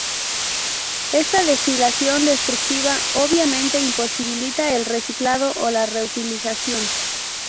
Esta destilación destructiva obviamente imposibilita el reciclado o la reutilización.